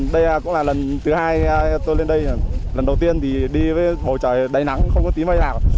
đây cũng là lần thứ hai tôi lên đây lần đầu tiên thì đi với hồ trời đầy nắng không có tí mây nào